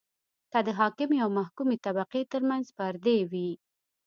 که د حاکمې او محکومې طبقې ترمنځ پردې وي.